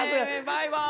バイバイ。